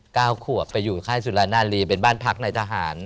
เก้าขวบไปอยู่ค่ายสุรนาลีเป็นบ้านพักในทหาร